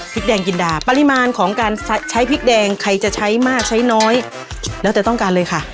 แดงจินดาปริมาณของการใช้พริกแดงใครจะใช้มากใช้น้อยแล้วแต่ต้องการเลยค่ะ